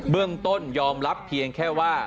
เรื่องต้นยอมรับเพียงแค่ว่า